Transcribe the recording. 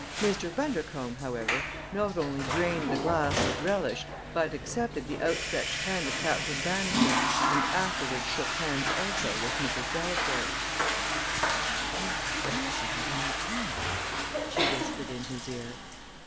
Mr. Bundercombe, however, not only drained the glass with relish but accepted the outstretched hand of Captain Bannister and afterward shook hands also with Mrs. Delaporte. "If you are passing at any time " she whispered in his ear.